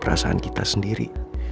perasaan kita sendiri